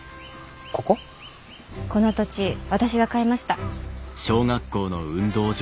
この土地私が買いました。